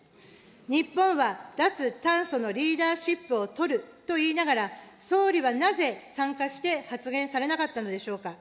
日本は脱炭素のリーダーシップを取ると言いながら、総理はなぜ参加して発言されなかったのでしょうか。